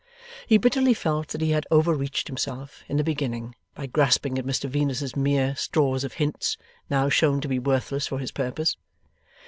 He bitterly felt that he had overreached himself in the beginning, by grasping at Mr Venus's mere straws of hints, now shown to be worthless for his purpose.